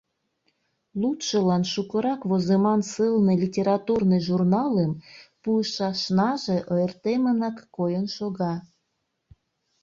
Лудшылан шукырак возыман сылне литературный журналым пуышашнаже ойыртемынак койын шога.